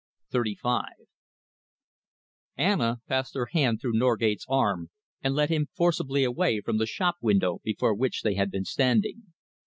CHAPTER XXXV Anna passed her hand through Norgate's arm and led him forcibly away from the shop window before which they had been standing.